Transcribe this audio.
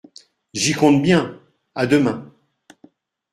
J'y compte bien … A demain.